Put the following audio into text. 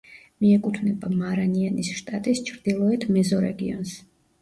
მიეკუთვნება მარანიანის შტატის ჩრდილოეთ მეზორეგიონს.